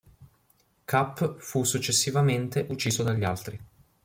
Cap fu successivamente ucciso dagli altri.